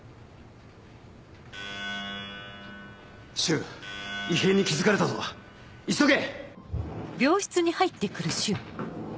柊異変に気付かれたぞ急げ！